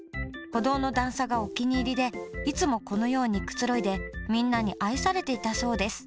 歩道の段差がお気に入りでいつもこのようにくつろいでみんなに愛されていたそうです。